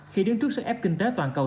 khi đứng trước sức ép kinh tế toàn cầu